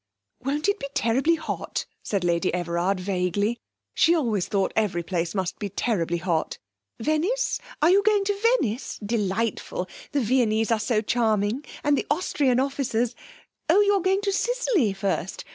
'Won't it be terribly hot?' said Lady Everard vaguely. She always thought every place must be terribly hot. 'Venice? Are you going to Venice? Delightful! The Viennese are so charming, and the Austrian officers Oh, you're going to Sicily first?